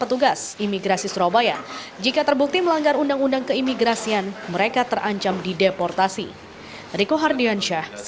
di wilayah surabaya target operasinya telah ditemukan